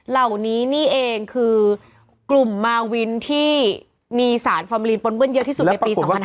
เหล่านี้นี่เองคือกลุ่มมาวินที่มีสารฟอร์มลีนปนเปิ้เยอะที่สุดในปี๒๕๕๙